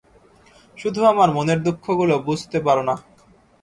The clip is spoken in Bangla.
শুধু আমার মনের দুঃখ গুলো বুঝতে পারোনা।